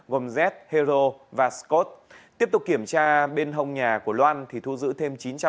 gồm z hero và scott tiếp tục kiểm tra bên hông nhà của loan thì thu giữ thêm